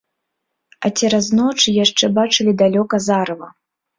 А цераз ноч яшчэ бачылі далёка зарыва.